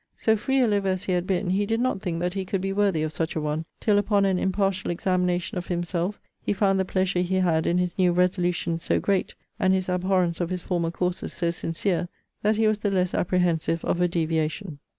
So free a liver as he had been, he did not think that he could be worthy of such a one, till, upon an impartial examination of himself, he found the pleasure he had in his new resolutions so great, and his abhorrence of his former courses so sincere, that he was the less apprehensive of a deviation.